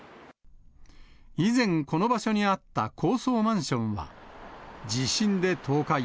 以前、この場所にあった高層マンションは、地震で倒壊。